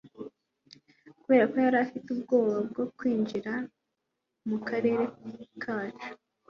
kubera ko yari afite ubwoba bwo kwinjira mukarere kacu